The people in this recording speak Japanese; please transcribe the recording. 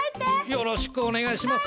よろしくお願いします。